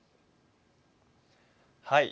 はい。